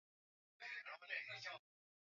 ilikuwa inahatarisha maisha ya vikundi vya kimataifa